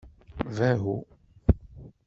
Bahu